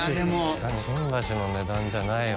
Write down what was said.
確かに新橋の値段じゃないよ